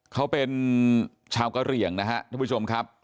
เขาเป็นชาวกะเหลี่ยงนะครับท่านผู้ชมครับ